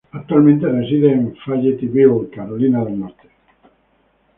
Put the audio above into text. Actualmente reside en Fayetteville, Carolina del Norte.